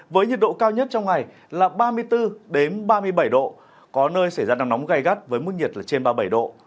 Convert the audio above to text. với nhiệt độ cao nhất trong ngày là ba mươi bốn ba mươi bảy độ có nơi xảy ra nắng nóng gai gắt với mức nhiệt là trên ba mươi bảy độ